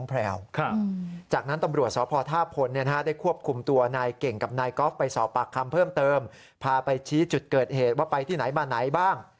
พาไปชี้จุดเกิดเหตุว่าไปที่ไหนไปไหนบ้าง